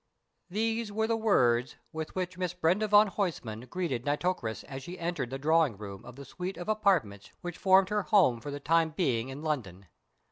These were the words with which Miss Brenda van Huysman greeted Nitocris as she entered the drawing room of the suite of apartments which formed her home for the time being in London.